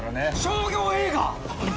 商業映画！？